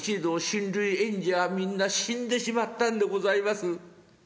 親類縁者みんな死んでしまったんでございます。